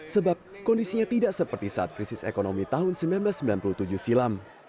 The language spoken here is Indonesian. sebab kondisinya tidak seperti saat krisis ekonomi tahun seribu sembilan ratus sembilan puluh tujuh silam